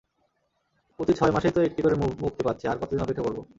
প্রতি ছয় মাসেইতো একটি করে মুক্তি পাচ্ছে আর কতদিন অপেক্ষা করব?